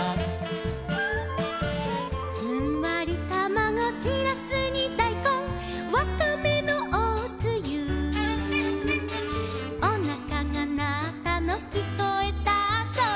「ふんわりたまご」「しらすにだいこん」「わかめのおつゆ」「おなかがなったのきこえたぞ」